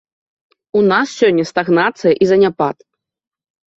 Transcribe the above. У нас сёння стагнацыя і заняпад.